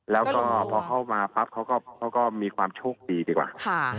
แล้วก็พอเข้ามาปั๊บเขาก็มีความโชคดีดีกว่า